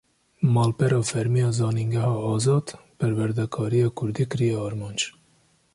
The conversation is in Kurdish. Malpera fermî ya Zanîngeha Azad, perwerdekariya Kurdî kiriye armanc